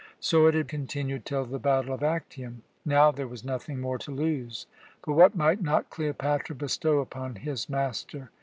So it had continued till the battle of Actium. Now there was nothing more to lose; but what might not Cleopatra bestow upon his master?